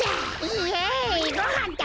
イエイごはんだ！